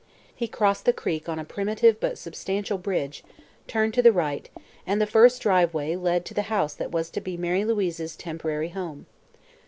He crossed the creek on a primitive but substantial bridge, turned to the right, and the first driveway led to the house that was to be Mary Louise's temporary home.